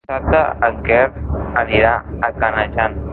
Dissabte en Quer anirà a Canejan.